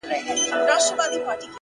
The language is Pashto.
د حقیقت مینه عقل پیاوړی کوي؛